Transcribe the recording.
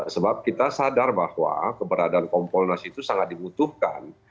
sebab kita sadar bahwa keberadaan kompolnas itu sangat dibutuhkan